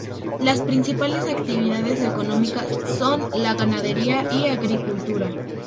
Las principales actividades económicas son la ganadería y agricultura.